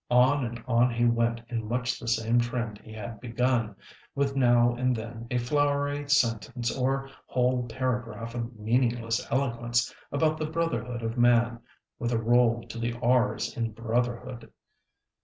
On and on he went in much the same trend he had begun, with now and then a flowery sentence or whole paragraph of meaningless eloquence about the "brotherhood of man" with a roll to the r's in brotherhood.